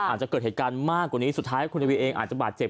อาจจะเกิดเหตุการณ์มากกว่านี้สุดท้ายคุณทวีเองอาจจะบาดเจ็บ